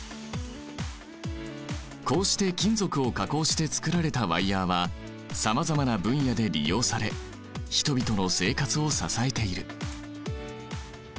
こうして金属を加工してつくられたワイヤーはさまざまな分野で利用され人々の生活を支えている。